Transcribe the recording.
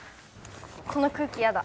この空気やだ。